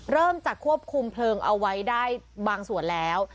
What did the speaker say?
เริ่มจะควบคุมเพลิงเอาไว้ได้บางส่วนแล้ว